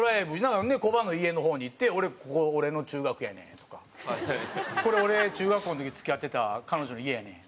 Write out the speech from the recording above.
ほんでコバの家の方に行って「ここ俺の中学やねん」とか「これ俺中学校の時付き合ってた彼女の家やねん」とか。